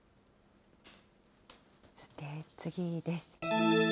さて、次です。